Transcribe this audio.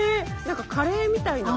何かカレーみたいな？